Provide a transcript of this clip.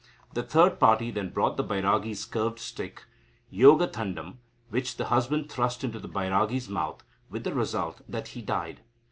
The third party then brought the Bairagi's curved stick (yogathandam), which the husband thrust into the Bairagi's mouth, with the result that he died.